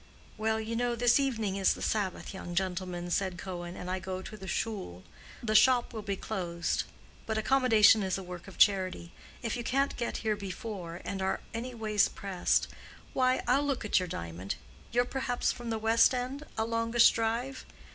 "Well, you know, this evening is the Sabbath, young gentleman," said Cohen, "and I go to the Shool. The shop will be closed. But accommodation is a work of charity; if you can't get here before, and are any ways pressed—why, I'll look at your diamond. You're perhaps from the West End—a longish drive?"